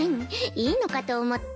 いいのかと思って。